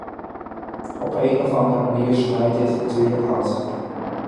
Op één of andere manier snijdt dit natuurlijk hout.